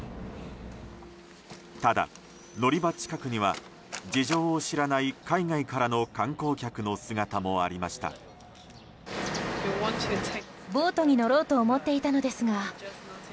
ただ乗り場近くには事情を知らない海外からの観光客の姿もありました。